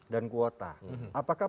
dan kuota apakah